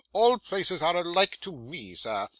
All places are alike to me, sir.